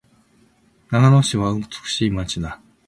長野市は美しい街だ。